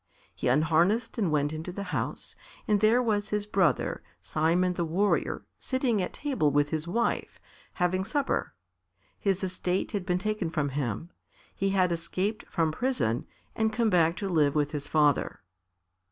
He unharnessed and went into the house, and there was his brother, Simon the Warrior, sitting at table with his wife, having supper. His estate had been taken from him; he had escaped from prison and come back to live with his father.